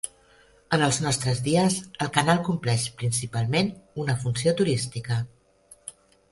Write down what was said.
En els nostres dies el canal compleix principalment una funció turística.